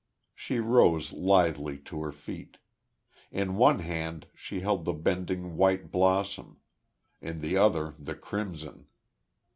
She rose lithely to her feet. In one hand she held the bending white blossom; in the other the crimson.